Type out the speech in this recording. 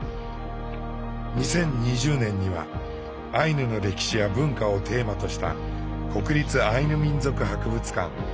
２０２０年にはアイヌの歴史や文化をテーマとした国立アイヌ民族博物館およびウポポイがオープン。